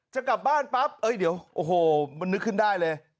จะกลับบ้านปั๊บเดี๋ยวโอ้โหมันนึกขึ้นได้เลย